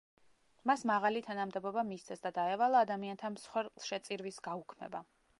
მას მაღალი თანამდებობა მისცეს და დაევალა ადამიანთა მსხვერპლშეწირვის გაუქმება.